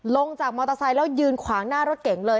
ลงจากมอเตอร์ไซค์แล้วยืนขวางหน้ารถเก๋งเลย